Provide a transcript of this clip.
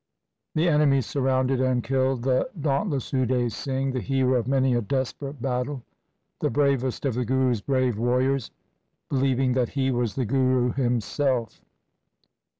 The enemy surrounded and killed the daunt less Ude Singh, the hero of many a desperate battle, the bravest of the Guru's brave warriors, believing that he was the Guru himself.